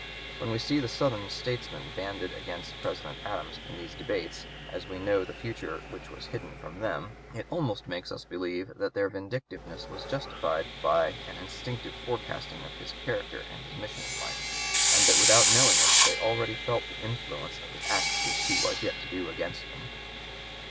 When we see the Southern statesmen banded against President Adams in these debates, as we know the future which was hidden from them, it almost makes us believe that their vindictiveness was justified by an instinctive forecasting of his character and his mission in life, and that without knowing it they already felt the influence of the acts which he was yet to do against them.